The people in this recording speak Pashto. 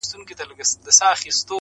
زه او ته به څنگه ښکار په شراکت کړو!!